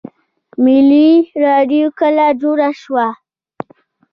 ملي راډیو کله جوړه شوه؟